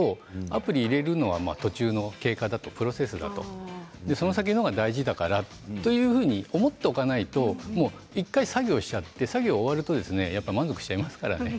アプリを入れるのは結果の途中、プロセスだとその先のほうが大事だからというふうに思っておかないと１回作業をしてしまって作業が終わると満足しちゃいますからね。